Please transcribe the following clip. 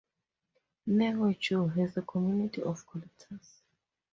Neo Geo has a community of collectors.